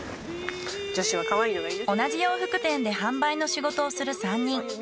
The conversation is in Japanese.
同じ洋服店で販売の仕事をする３人。